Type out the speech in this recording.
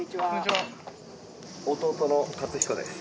弟の雄彦です。